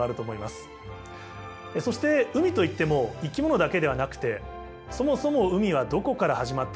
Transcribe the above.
そして海といっても生き物だけではなくてそもそも海はどこから始まったのか。